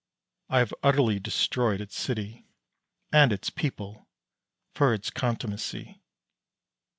I have utterly destroyed its city and its people for its contumacy.